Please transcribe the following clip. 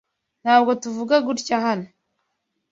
Ntabwo tuvuga gutya hano.